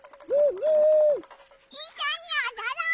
いっしょにおどろう！